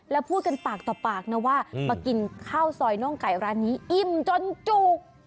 แล้วพูดกันปากต่อปากนะว่ามากินข้าวซอยน่องไก่ร้านนี้อิ่มจนจุก